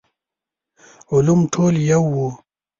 علوم ټول يو وو.